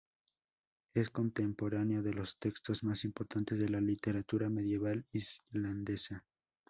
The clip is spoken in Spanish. Es contemporáneo de los textos más importantes de la literatura medieval islandesa.